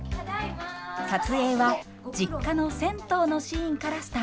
撮影は実家の銭湯のシーンからスタートしました。